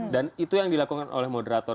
itu yang dilakukan oleh moderator